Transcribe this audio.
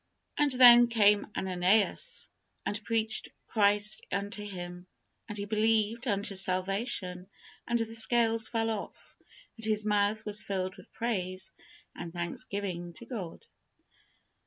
And then came Ananias, and preached Christ unto him, and he believed unto salvation, and the scales fell off, and his mouth was filled with praise and thanksgiving to God.